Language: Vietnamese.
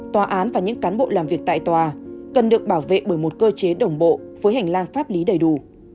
tòa án và những cán bộ làm việc tại tòa cần được bảo vệ bởi một cơ chế đồng bộ với hành lang pháp lý đầy đủ